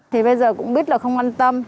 thì bây giờ cũng biết là không quan tâm